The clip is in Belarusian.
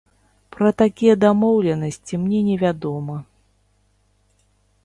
Пра такія дамоўленасці мне невядома.